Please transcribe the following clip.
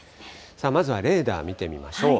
まずはレーダー見てみましょう。